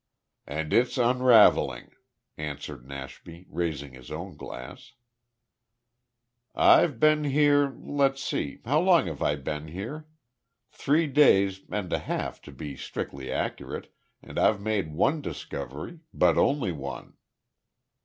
"And its unravelling," answered Nashby, raising his own glass. "I've been here let's see, how long have I been here? Three days and a half, to be strictly accurate, and I've made one discovery, but only one."